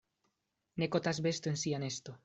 Ne kotas besto en sia nesto.